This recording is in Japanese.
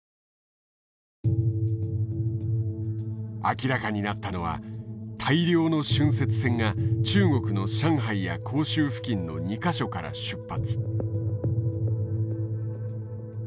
明らかになったのは大量の浚渫船が中国の上海や広州付近の２か所から出発。